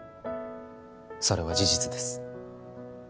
それは事実です